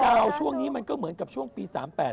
ช่วงนี้มันก็เหมือนกับช่วงปี๓๘